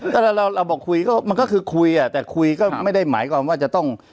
ก็เราบอกคุยก็มันก็คือคุยอ่ะแต่คุยก็ไม่ได้หมายความว่าจะต้อง